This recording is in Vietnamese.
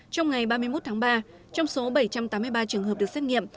trong ngày ba mươi một tháng ba trong số bảy trăm tám mươi ba trường hợp được xét nghiệm